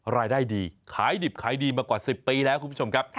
รายได้ดีขายดิบขายดีมากว่า๑๐ปีแล้วคุณผู้ชมครับ